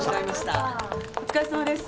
お疲れさまです。